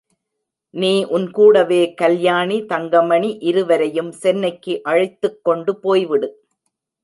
நீ உன் கூடவே, கல்யாணி, தங்கமணி இருவரையும் சென்னைக்கு அழைத்துக் கொண்டு போய்விடு.